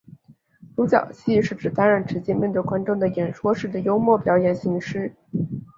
独角戏是指单人直接面对观众的演说式的幽默表演形式。